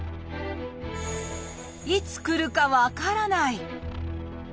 いつ来るか分からない！